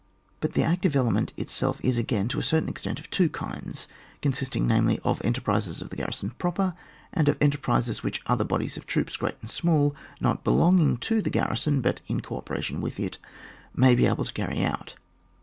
But the active element itself is again, to a certain extent, of two kinds, consisting namely of enterprises of the garrison proper, and of enter prises which other bodies of troops, great and smaU, not belonging to the garrison but in co operation with it, may be able to carry out.